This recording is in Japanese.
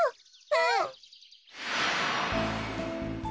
うん。